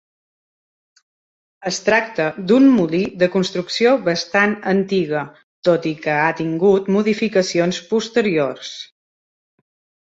Es tracta d'un molí de construcció bastant antiga, tot i que ha tingut modificacions posteriors.